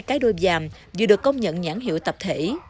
cái đôi dàm vừa được công nhận nhãn hiệu tập thể